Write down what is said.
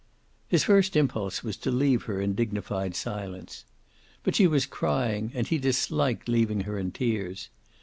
His first impulse was to leave her in dignified silence. But she was crying, and I he disliked leaving her in tears.